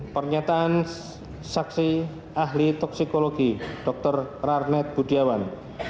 pernyataan saksi ahli toksikologi dr rarnet budiawan